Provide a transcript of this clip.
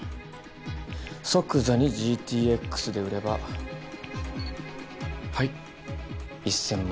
ピッ即座にＧＴＸで売ればはい１，０００万